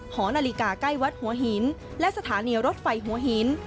หอนาฬิกาใกล้วัดหัวหินและสถานีรถไฟหัวหิน